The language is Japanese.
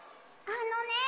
あのね